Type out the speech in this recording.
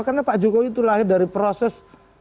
karena pak jokowi itu lahir dari proses